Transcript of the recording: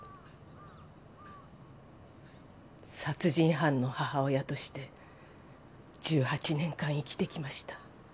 殺人犯の母親として１８年間生きてきました